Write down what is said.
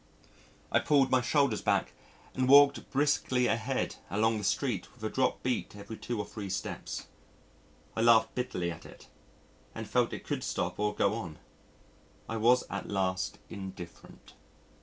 I pulled my shoulders back and walked briskly ahead along the street with a dropped beat every two or three steps. I laughed bitterly at it and felt it could stop or go on I was at last indifferent.